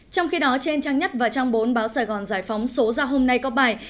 trong khi đó trên trang nhất và trong bốn báo sài gòn giải phóng số ra hôm nay có bài